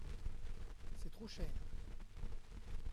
C’est trop cher.